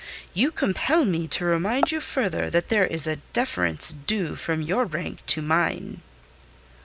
You compel me to remind you further that there is a deference due from your rank to mine."